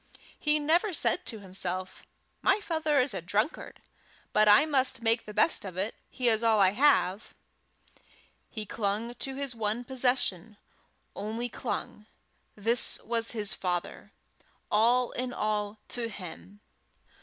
He never said to himself, "My father is a drunkard, but I must make the best of it; he is all I have!" He clung to his one possession only clung: this was his father all in all to him.